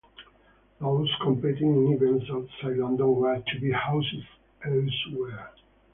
Those competing in events outside London were to be housed elsewhere.